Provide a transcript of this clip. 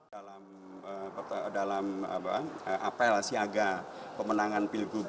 dalam apel siaga pemenangan pilgub